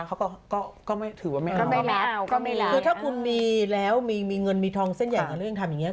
เขาก็ก็ไม่ถือว่าไม่รับก็ไม่รับก็ไม่รับคือถ้าคุณมีแล้วมีมีเงินมีทองเส้นใหญ่กับเรื่องทำอย่างเงี